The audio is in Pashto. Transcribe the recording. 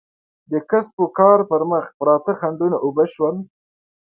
د کسب و کار پر مخ پراته خنډونه اوبه شول.